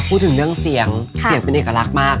พูดถึงเรื่องเสียงเสียงเป็นเอกลักษณ์มาก